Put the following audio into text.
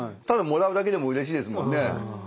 ただもらうだけでもうれしいですもんね。